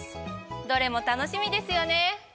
どれも楽しみですよね。